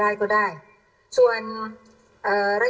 เดี๋ยวลองฟังดูนะครับ